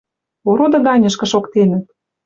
Ороды ганьышкы шоктенӹт.